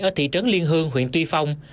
ở thị trấn liên hương huyện tuy phong